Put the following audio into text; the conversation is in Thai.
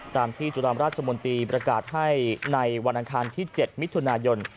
ตามที่จุฬามราชมนตรีประกาศให้ในวันอังคารที่๗มิถุนายน